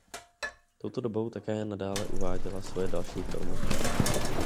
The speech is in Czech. Touto dobou také nadále uváděla svoje další filmy.